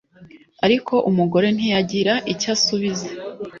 ariko umugore ntiyagira icyo asubiza